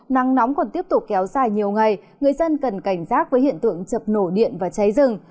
nắng nóng còn tiếp tục kéo dài nhiều ngày người dân cần cảnh giác với hiện tượng chập nổ điện và cháy rừng